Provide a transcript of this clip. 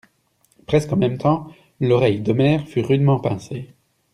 Presque en même temps, l'oreille d'Omer fut rudement pincée.